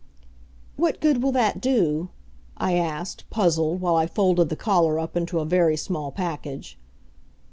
"What good will that do?" I asked, puzzled, while I folded the collar up into a very small package.